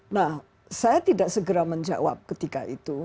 nah saya tidak segera menjawab ketika itu